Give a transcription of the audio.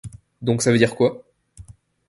Donc ça veut dire quoi ?